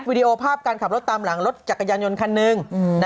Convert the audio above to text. วิดีโอภาพการขับรถตามหลังรถจักรยานยนต์คันหนึ่ง